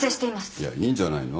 いやいいんじゃないの？